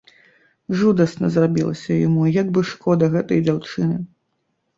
Жудасна зрабілася яму і як бы шкода гэтай дзяўчыны.